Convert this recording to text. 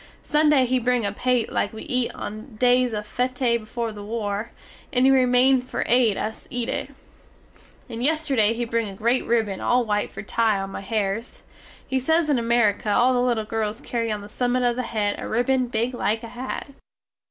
Sunday he bring a paté like we eat on days of féte before the war; and he remain for aid us eat it. And yesterday he bring a great ribbon all white for tie on my hairs. He say in Amerique all the little girls carry on the summit of the head a ribbon big like a hat.